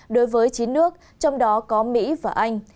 đối với chín nước trong đó có mỹ và anh